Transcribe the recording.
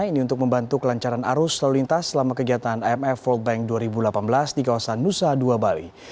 ini untuk membantu kelancaran arus lalu lintas selama kegiatan imf world bank dua ribu delapan belas di kawasan nusa dua bali